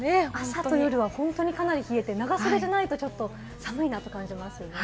朝と夜、かなり冷えて長袖じゃないとちょっと寒いなと感じますね。